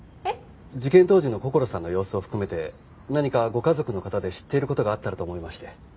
事件当時のこころさんの様子を含めて何かご家族の方で知っている事があったらと思いまして。